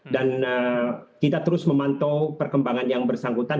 dan kita terus memantau perkembangan yang bersangkutan